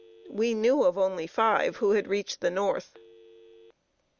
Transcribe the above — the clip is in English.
We knew of only five who had reached the North.